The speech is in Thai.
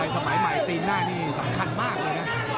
สมัยใหม่ตีนหน้านี่สำคัญมากเลยนะ